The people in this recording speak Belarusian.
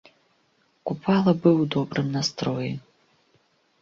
Купала быў у добрым настроі.